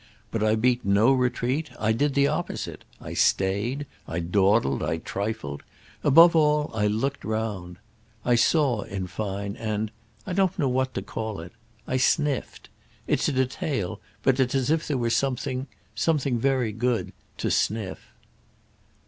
But I beat no retreat; I did the opposite; I stayed, I dawdled, I trifled; above all I looked round. I saw, in fine; and—I don't know what to call it—I sniffed. It's a detail, but it's as if there were something—something very good—to sniff."